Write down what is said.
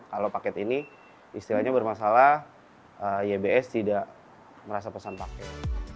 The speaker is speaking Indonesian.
kalau paket ini istilahnya bermasalah ybs tidak merasa pesan paket